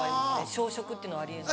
小食っていうのはあり得ない。